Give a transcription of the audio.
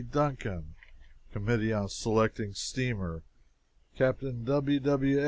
Duncan Committee on Selecting Steamer CAPT. W. W.